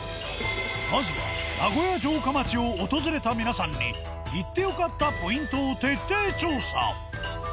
まずは名古屋城下町を訪れた皆さんに行って良かったポイントを徹底調査。